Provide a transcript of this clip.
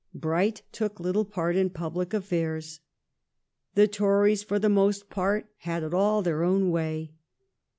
Bright took little part in public affairs. The Tories for the most part had it all their own way.